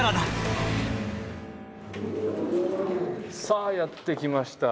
さあやって来ました。